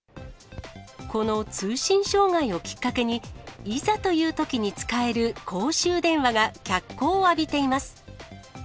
この通信障害をきっかけに、いざというときに使える公衆電話が脚光を浴びています。